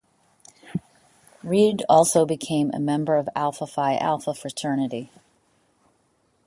Reid also became a member of Alpha Phi Alpha fraternity.